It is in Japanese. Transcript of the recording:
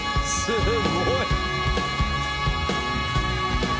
すごい！